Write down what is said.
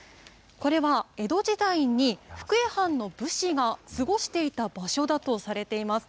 これは江戸時代に、福江藩の武士が過ごしていた場所だとされています。